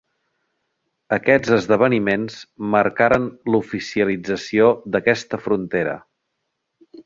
Aquests esdeveniments marcaren l'oficialització d'aquesta frontera.